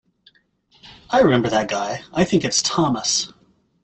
I remember that guy, I think it's Thomas.